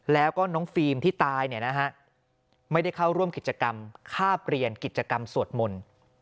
แล้วก็น้องฟิล์มที่ตายไม่ได้เข้าร่วมกิจกรรมค่าเปลี่ยนกิจกรรมสวดมนต์